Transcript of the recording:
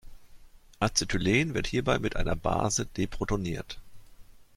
Acetylen wird hierbei mit einer Base deprotoniert.